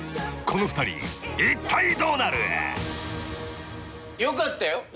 ［この２人いったいどうなる］よかったよ。